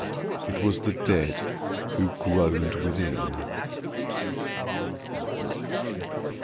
It was the dead who groaned within.